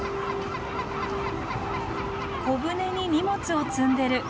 小舟に荷物を積んでる。